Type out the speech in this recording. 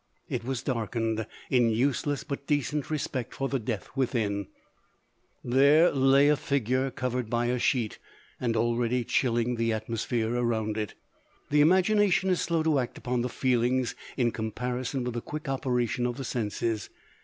It was darkened, in useless but decent respect for the death within; there lay a figure covered by a sheet, and already chilling the atmosphere around it. The imagination is slow to act upon the feelings in comparison with the quick operation of the senses.